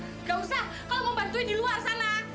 nggak usah kamu membantuin di luar sana